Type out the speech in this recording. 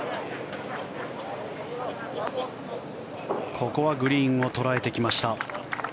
ここはグリーンを捉えてきました。